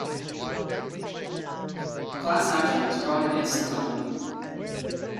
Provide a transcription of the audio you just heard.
A class action was brought against the company.